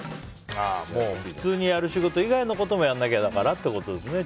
普通にやる仕事以外のこともやらなきゃだからってことですね